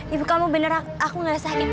ibu kamu beneran aku gak sakit